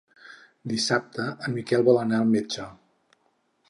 Dissabte en Miquel vol anar al metge.